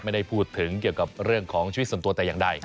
ไม่ได้พูดถึงเกี่ยวกับเรื่องของชีวิตส่วนตัวแต่อย่างใด